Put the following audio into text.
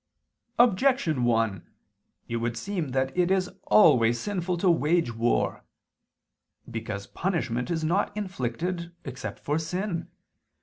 Objection 1: It would seem that it is always sinful to wage war. Because punishment is not inflicted except for sin.